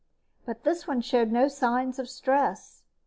But this one showed no signs of stress.